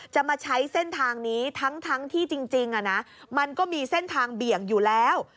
จะมาใช้เส้นทางนี้ทั้งที่จริงมันก็มีเส้นทางเบี่ยงอยู่แล้ว